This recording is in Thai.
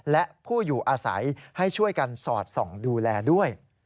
และผู้อยู่อาศัยให้ช่วยกันสอดส่องดูแลด้วย